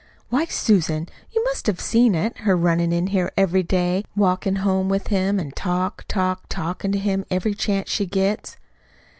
"Why, Susan, you must've seen it her runnin' in here every day, walkin' home with him, an' talk, talk, talkin' to him every chance she gets!"